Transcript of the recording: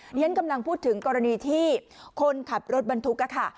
ฉันกำลังพูดถึงกรณีที่คนขับรถบรรทุกค่ะ